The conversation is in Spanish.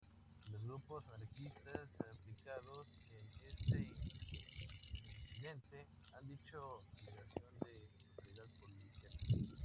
Los grupos anarquistas implicados en este incidente han hecho alegaciones de brutalidad policíaca.